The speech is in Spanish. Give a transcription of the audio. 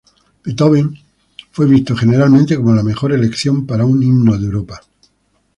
Beethoven fue visto generalmente como la mejor elección para un himno de Europa.